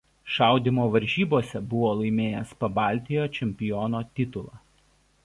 Šaudymo varžybose buvo laimėjęs Pabaltijo čempiono titulą.